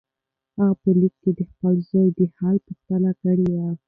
هغه په لیک کې د خپل زوی د حال پوښتنه کړې وه.